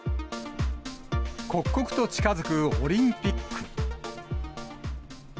刻々と近づくオリンピック。